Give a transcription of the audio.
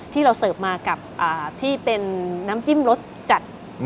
ที่เราเสิร์ฟมากับที่เป็นน้ำจิ้มรสจัด